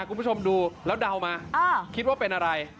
คุณผู้ชมดูแล้วเดามาคิดว่าเป็นอะไร